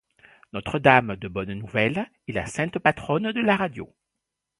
Notre Dame de Bonne Nouvelle est la sainte patronne de la radio.